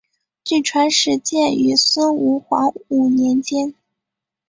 据传始建于孙吴黄武年间。